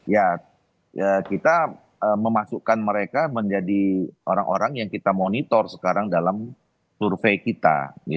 ya kita memasukkan mereka menjadi orang orang yang kita monitor sekarang dalam survei kita